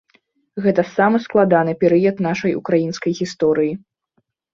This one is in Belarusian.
Гэта самы складаны перыяд нашай украінскай гісторыі.